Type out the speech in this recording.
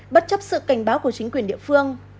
bất chấp sự cảnh báo của chính quyền địa phương